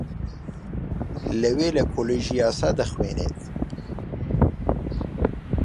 لەوێ لە کۆلێژی یاسا دەخوێنێت